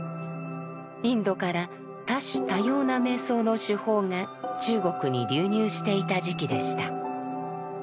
インドから多種多様な瞑想の手法が中国に流入していた時期でした。